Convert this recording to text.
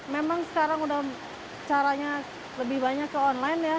memang sekarang udah caranya lebih banyak ke online ya